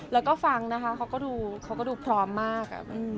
แล้วก็ฟังนะคะเขาก็ดูพร้อมมาก